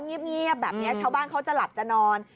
เงียบแบบนี้ชาวบ้านเขาจะหลับจะนอน